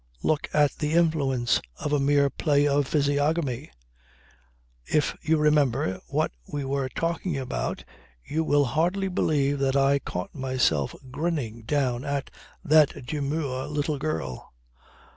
Look at the influence of a mere play of physiognomy! If you remember what we were talking about you will hardly believe that I caught myself grinning down at that demure little girl.